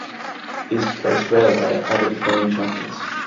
East Coast Railway are the defending champions.